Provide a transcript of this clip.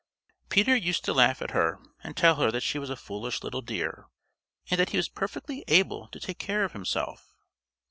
Peter used to laugh at her and tell her that she was a foolish little dear, and that he was perfectly able to take care of himself.